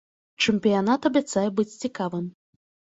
Чэмпіянат абяцае быць цікавым.